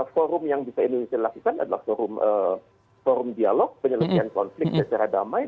forum yang bisa indonesia lakukan adalah forum dialog penyelesaian konflik secara damai